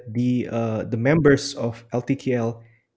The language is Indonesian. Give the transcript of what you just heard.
bahwa para anggota ltkl